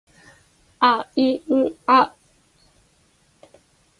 あいうあ